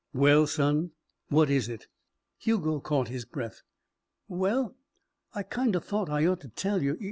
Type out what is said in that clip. "Well, son, what is it?" Hugo caught his breath. "Well I kind of thought I ought to tell you.